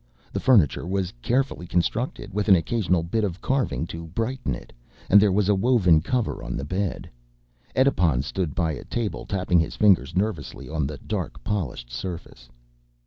The furniture was carefully constructed, with an occasional bit of carving to brighten it, and there was a woven cover on the bed. Edipon stood by a table, tapping his fingers nervously on the dark polished surface.